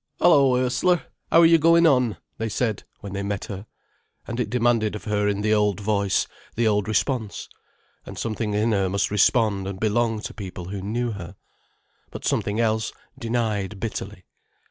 "'Ello, Urs'ler, 'ow are yer goin' on?" they said when they met her. And it demanded of her in the old voice the old response. And something in her must respond and belong to people who knew her. But something else denied bitterly.